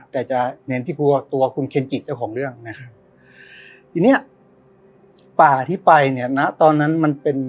แต่จะเน้นที่ครัวตัวคุณเคนจิเจ้าของเรื่องนะครับ